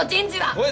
おい